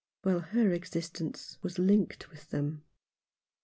Well, her existence was linked with them.